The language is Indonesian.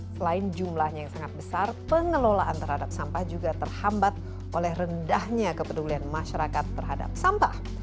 selain jumlahnya yang sangat besar pengelolaan terhadap sampah juga terhambat oleh rendahnya kepedulian masyarakat terhadap sampah